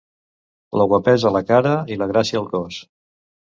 La guapesa a la cara i la gràcia al cos.